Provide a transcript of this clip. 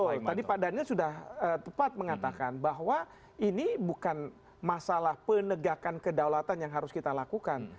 betul tadi pak daniel sudah tepat mengatakan bahwa ini bukan masalah penegakan kedaulatan yang harus kita lakukan